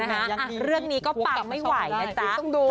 เยี่ยมขึ้นนะเรื่องนี้ก็บาลสนุ่มไม่ไหวน่ะจ๊ะ